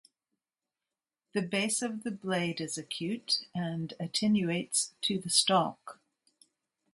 The base of the blade is acute and attenuates to the stalk.